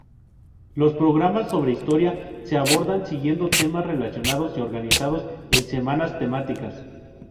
Los programas sobre historia se abordan siguiendo temas relacionados y organizados en semanas temáticas.